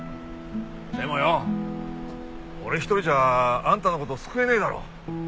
でもよ俺一人じゃあんたの事救えねえだろ。